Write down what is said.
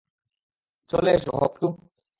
চলে এসো হক-টু।